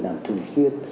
làm thường xuyên